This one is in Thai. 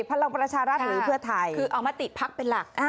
พลังประชารัฐหรือเพื่อไทยคือเอามติพักเป็นหลัก